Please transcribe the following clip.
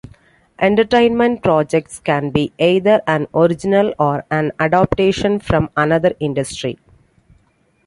Entertainment projects can be either an original or an adaptation from another industry.